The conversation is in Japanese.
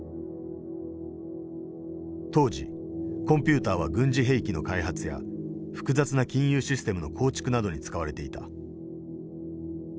当時コンピューターは軍事兵器の開発や複雑な金融システムの構築などに使われていた。